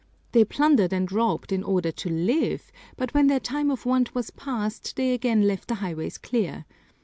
They plundered and robbed in order to live, but when their time of want was passed, they again left the highways clear.